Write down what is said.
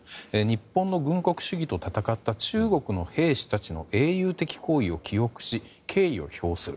日本の軍国主義と戦った中国の兵士たちの英雄的行為を記憶し敬意を表する。